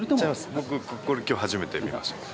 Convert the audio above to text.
僕、これきょう初めて見ました。